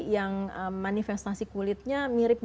yang manifestasi kulitnya